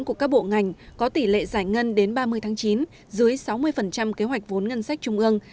của các bộ ngành có tỷ lệ giải ngân đến ba mươi tháng chín dưới sáu mươi kế hoạch vốn ngân sách trung ương